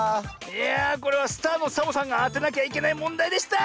いやあこれはスターのサボさんがあてなきゃいけないもんだいでした。